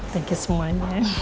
thank you semuanya